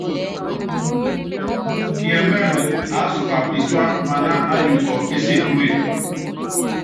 Kiɛmɛ́mɛ, aásuka pisúa mana ayuukɔ é sekule.